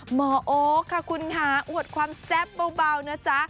หมอโอ๊คค่ะคุณค่ะอวดความแซ่บเบานะจ๊ะ